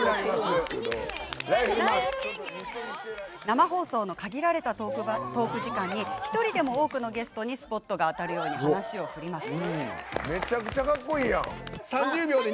生放送の限られたトーク時間に１人でも多くのゲストにスポットが当たるように話を振ります。